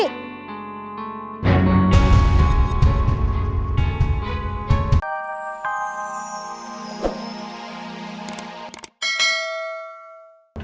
tunggu apa lagi kamu